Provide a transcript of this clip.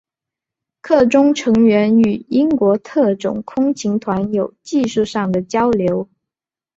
课中成员与英国特种空勤团有技术上的交流。